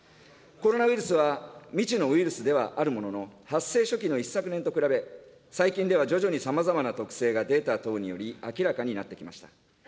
コロナウイルスは未知のウイルスではあるものの、発生初期の一昨年と比べ、最近では徐々にさまざまな特性がデータ等により明らかになってきました。